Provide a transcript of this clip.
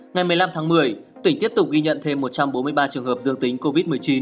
ngày một mươi năm tháng một mươi tỉnh tiếp tục ghi nhận thêm một trăm bốn mươi ba trường hợp dương tính covid một mươi chín